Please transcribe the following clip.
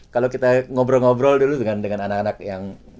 kalau kita ngobrol ngobrol dulu dengan anak anak yang